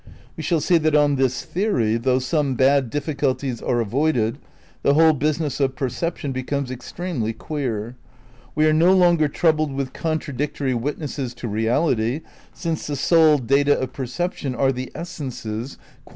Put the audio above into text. We shall see that on this theory, though some bad dtfiSculties are avoided, the whole business of per ception becomes extremely queer. We are no longer troubled with contradictory witnesses to reality, since the sole "data" of perception are the essences, quality ^Essays in Critical Bealism, by Durant Drake, Arthur C.